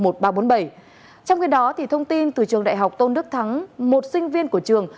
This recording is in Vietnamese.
trong khi đó thông tin từ trường đại học tôn đức thắng một sinh viên của trường